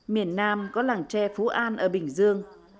miền nam có làng tre phú an ở bình dương